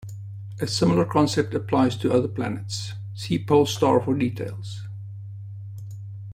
A similar concept applies to other planets; see pole star for details.